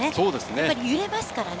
やっぱり揺れますからね。